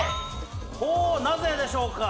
ほおなぜでしょうか？